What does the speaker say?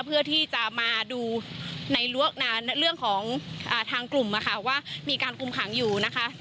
เพื่อที่จะมาดูในเรื่องของทางกลุ่มว่ามีการคุมขังอยู่นะคะ